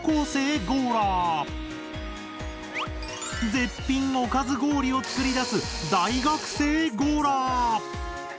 絶品おかず氷を作り出す大学生ゴーラー！